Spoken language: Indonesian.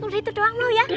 udah itu doang mau ya